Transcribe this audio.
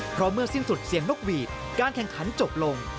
เพราะเมื่อสิ้นสุดเสียงนกหวีดการแข่งขันจบลง